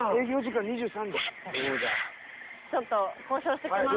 ちょっと交渉してきます。